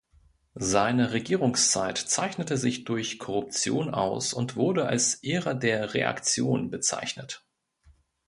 Seine Regierungszeit zeichnete sich durch Korruption aus und wurde als "Ära der Reaktion" bezeichnet.